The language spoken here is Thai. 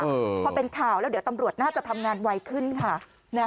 พอเป็นข่าวแล้วเดี๋ยวตำรวจน่าจะทำงานไวขึ้นค่ะ